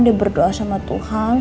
dia berdoa sama tuhan